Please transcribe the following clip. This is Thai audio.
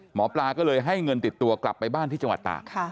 หมอปลาก็เลยให้เงินติดตัวกลับไปบ้านที่จังหวัดตาก